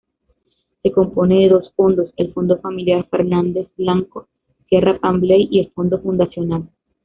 Se compone de dos fondos, el Fondo familiar Fernández-Blanco Sierra-Pambley y el Fondo fundacional.